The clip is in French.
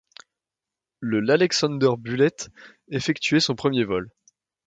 Le l'Alexander Bullet effectuait son premier vol.